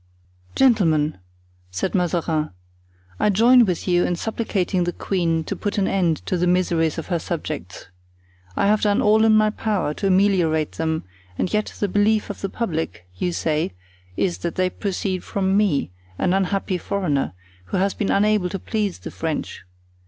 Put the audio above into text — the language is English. "Gentlemen," said Mazarin, "I join with you in supplicating the queen to put an end to the miseries of her subjects. I have done all in my power to ameliorate them and yet the belief of the public, you say, is that they proceed from me, an unhappy foreigner, who has been unable to please the French.